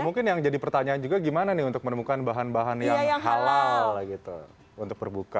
mungkin yang jadi pertanyaan juga gimana nih untuk menemukan bahan bahan yang halal gitu untuk berbuka